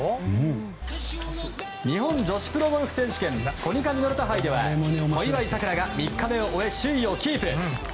日本女子プロゴルフ選手権コニカミノルタ杯では小祝さくらが３日目を終え首位をキープ。